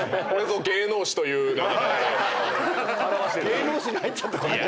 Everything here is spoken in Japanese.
芸能史に入っちゃった。